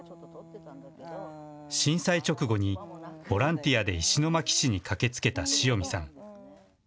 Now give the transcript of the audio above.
震災直後にボランティアで石巻市に駆けつけたしおみさん。